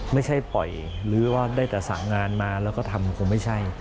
ไม่ใช่ปล่อยหรือว่าได้แต่สั่งงานมาแล้วก็ทำคงไม่ใช่